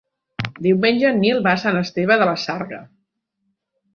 Diumenge en Nil va a Sant Esteve de la Sarga.